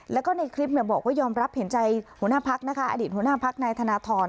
แล้วก็ในคลิปบอกว่ายอมรับเห็นใจหัวหน้าพักนะคะอดีตหัวหน้าพักนายธนทร